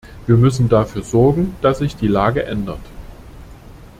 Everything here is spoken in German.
Wir müssen dafür sorgen, dass sich die Lage ändert.